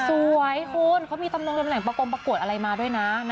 สวยคุณเขามีตำแหน่งประกวดอะไรมาด้วยนะ